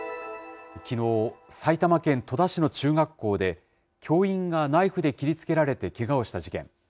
きのう、埼玉県戸田市の中学校で、教員がナイフで切りつけられてけがをした事件。